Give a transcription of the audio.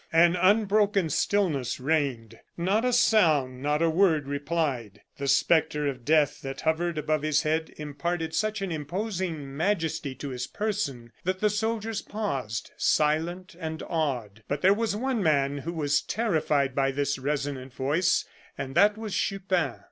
An unbroken stillness reigned. Not a sound, not a word replied. The spectre of death that hovered above his head imparted such an imposing majesty to his person that the soldiers paused, silent and awed. But there was one man who was terrified by this resonant voice, and that was Chupin.